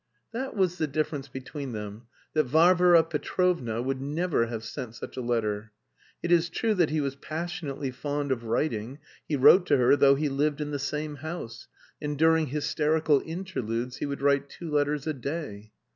That was the difference between them, that Varvara Petrovna never would have sent such a letter. It is true that he was passionately fond of writing, he wrote to her though he lived in the same house, and during hysterical interludes he would write two letters a day.